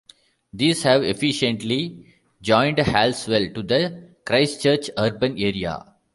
These have effectively joined Halswell to the Christchurch urban area.